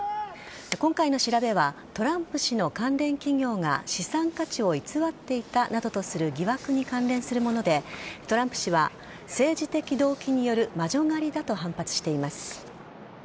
今回の調べはトランプ氏の関連企業が資産価値を偽っていたなどとする疑惑に関連するものでトランプ氏は政治的動機による魔女狩りだと反発しています。